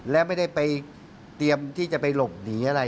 และไม่ได้ไปเตรียมที่จะไปหลบหนีอะไร